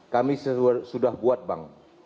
kami sudah buat bang